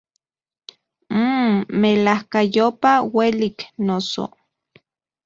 Mmmm, ¡melajkayopa uelik, noso!